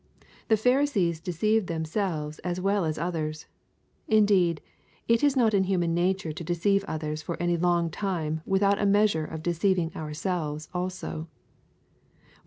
The Pharisees deceived themselves as well as others. Indeed, it is not in human nature to deceive others for any long time without in a measure deceiving ourselves also.